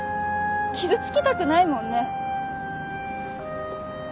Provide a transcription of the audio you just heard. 傷つきたくないもんね。